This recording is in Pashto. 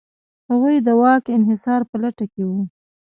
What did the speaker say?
هغوی د واک انحصار په لټه کې و.